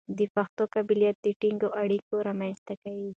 د پښتو قبالت د ټینګه اړیکه رامنځته کوي.